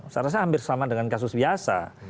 saya rasa hampir sama dengan kasus biasa